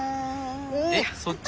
えっそっち？